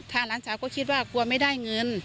หลานสาวก็คิดว่ากลัวไม่ได้เงิน